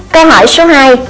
câu hỏi số hai